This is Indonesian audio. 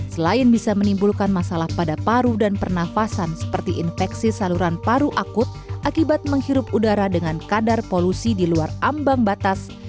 selain bisa menimbulkan masalah pada paru dan pernafasan seperti infeksi saluran paru akut akibat menghirup udara dengan kadar polusi di luar ambang batas